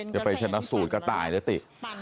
จะไปชะนักสูตรกระต่ายสิติ